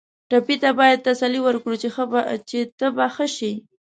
ټپي ته باید تسل ورکړو چې ته به ښه شې.